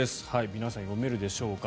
皆さん、読めるでしょうか。